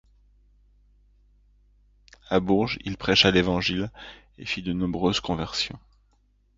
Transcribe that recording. À Bourges, il prêcha l'Évangile et fit de nombreuses conversions.